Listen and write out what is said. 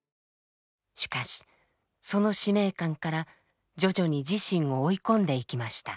しかしその使命感から徐々に自身を追い込んでいきました。